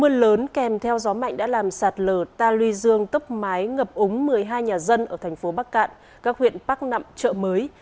mưa lớn kèm theo gió mạnh đã làm sạt lở ta luy dương tốc mái ngập úng một mươi hai nhà dân ở thành phố bắc cạn các huyện bắc nậm chợ mới